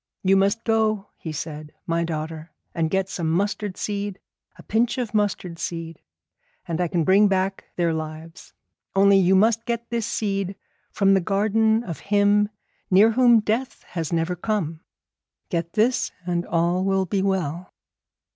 'You must go,' he said, 'my daughter, and get some mustard seed, a pinch of mustard seed, and I can bring back their lives. Only you must get this seed from the garden of him near whom death has never come. Get this, and all will be well.'